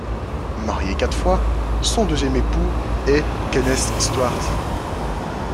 Mariée quatre fois, son deuxième époux est Kenneth Stuart.